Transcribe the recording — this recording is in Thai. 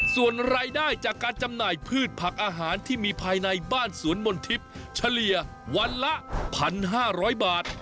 ส่วนรายได้จากการจำหน่ายพืชผักอาหารที่มีภายในบ้านสวนมนทิพย์เฉลี่ยวันละ๑๕๐๐บาท